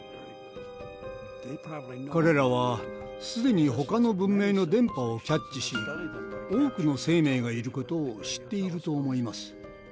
彼らはすでにほかの文明の電波をキャッチし多くの生命がいることを知っていると思います。